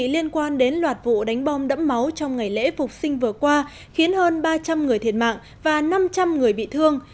liên quan đến loạt vụ đánh bom đẫm máu trong ngày lễ phục sinh vừa qua khiến hơn ba trăm linh người thiệt mạng và năm trăm linh người bị thương